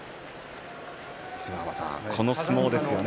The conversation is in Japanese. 伊勢ヶ濱さん、この相撲ですよね。